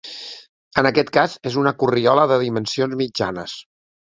En aquest cas és una corriola de dimensions mitjanes.